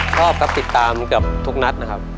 ชอบครับติดตามเกือบทุกนัดนะครับ